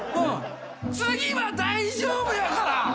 次は大丈夫やから！